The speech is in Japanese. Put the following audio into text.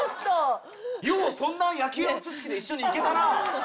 ようそんな野球の知識で一緒に行けたな！